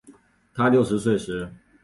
她六十岁时